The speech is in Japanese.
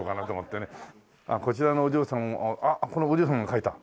こちらのお嬢さんはこれお嬢さんが書いた？